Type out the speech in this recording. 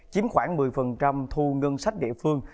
chiếm khoảng một mươi thu ngân sách địa phương